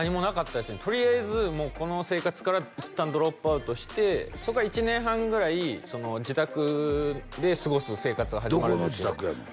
とりあえずもうこの生活からいったんドロップアウトしてそっから１年半ぐらい自宅で過ごす生活が始まるんですけどどこの自宅やの？